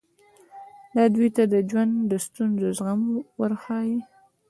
دا دوی ته د ژوند د ستونزو زغم ورښيي.